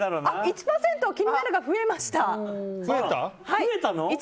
１％気になるが増えました。